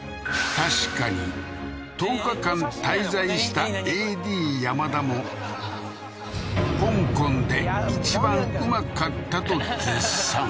確かに１０日間滞在したＡＤ山田も香港で一番うまかったと絶賛